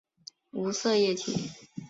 无色液体。